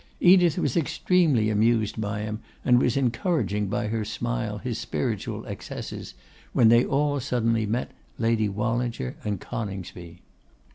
Edith was extremely amused by him, and was encouraging by her smile his spiritual excesses, when they all suddenly met Lady Wallinger and Coningsby.